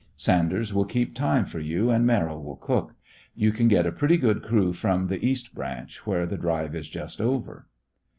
Sanders will keep time for you, and Merrill will cook. You can get a pretty good crew from the East Branch, where the drive is just over."